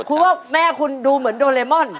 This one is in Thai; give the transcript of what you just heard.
เดี๋ยวคุณว่าแม่คุณดูเหมือนโดราเอมอน